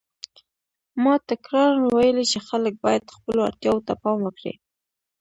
ما تکراراً ویلي چې خلک باید خپلو اړتیاوو ته پام وکړي.